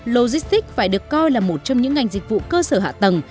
logistics phải được coi là một trong những ngành dịch vụ cơ sở hạ tầng